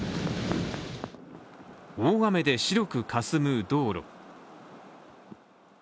大雨で白くかすむ道路。